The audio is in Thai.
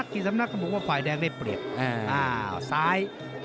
กีตลกก็บอกว่าฝ่ายแดงในฝ่ายเข้าก็เปรียบ